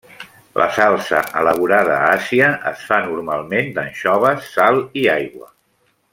La salsa elaborada a Àsia es fa normalment d'anxoves, sal i aigua.